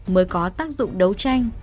mới có tác dụng đấu tranh